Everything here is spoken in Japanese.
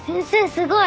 すごい。